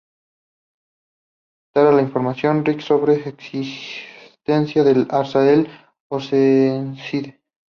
Tara le informa a Rick sobre la existencia y el arsenal de Oceanside.